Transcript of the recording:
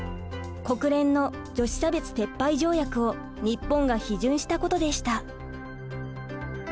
国連の女子差別撤廃条約を日本が批准したことでした。